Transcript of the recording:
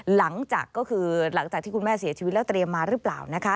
หลังจากที่คุณแม่เสียชีวิตแล้วเตรียมมาหรือเปล่า